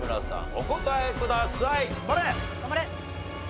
お答えください。